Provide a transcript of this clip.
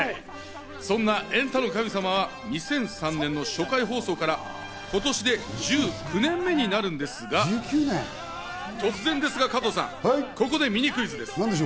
そんな『エンタの神様』は２００３年の初回放送から今年で１９年目になるんですが、突然ですが加藤さん、ここでミニクイズです。